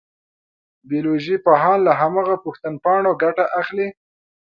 بیولوژي پوهان له هماغه پوښتنپاڼو ګټه اخلي.